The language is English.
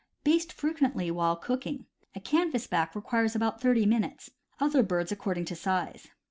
Baste frequently while cooking. A canvas back requires about thirty minutes; other birds accord ing to size.